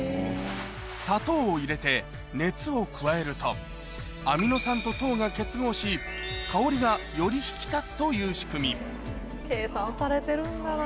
砂糖を入れて熱を加えるとアミノ酸と糖が結合し香りがより引き立つという仕組み計算されてるんだな。